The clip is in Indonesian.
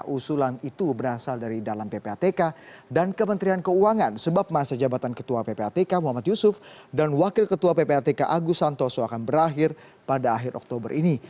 usulan itu berasal dari dalam ppatk dan kementerian keuangan sebab masa jabatan ketua ppatk muhammad yusuf dan wakil ketua ppatk agus santoso akan berakhir pada akhir oktober ini